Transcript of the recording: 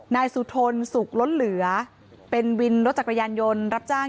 นายสุทนสุขล้นเหลือเป็นวินรถจักรยานยนต์รับจ้าง